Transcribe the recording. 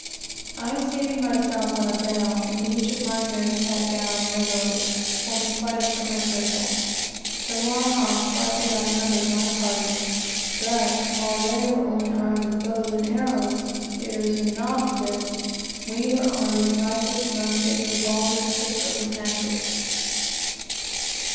I seated myself on a bale, and each of my men sat down on their loads, forming quite a semicircle. The Wahha slightly outnumbered my party; but, while they were only armed with bows and arrows, spears, and knob sticks, we were armed with rifles, muskets, revolvers, pistols, and hatchets.